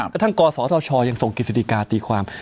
กระทั่งกศธชยังส่งกฤษฎิกาตีความ